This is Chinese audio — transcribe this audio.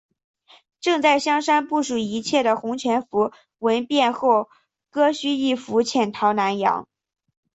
正在香山部署一切的洪全福闻变后割须易服潜逃南洋。